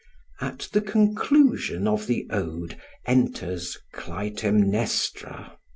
At the conclusion of the ode enters Clytemnestra.